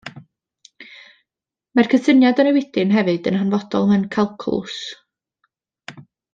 Mae'r cysyniad o newidyn hefyd yn hanfodol mewn calcwlws.